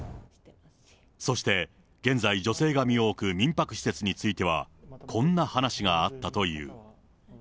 そして現在、女性が身を置く民泊施設については、こんな話があったという。